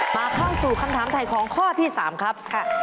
เข้าสู่คำถามถ่ายของข้อที่๓ครับ